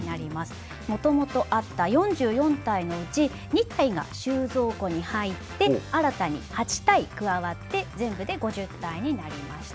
もともとあった４４体のうち２体が収蔵庫に入って新たに８体加わって全部で５０体になりました。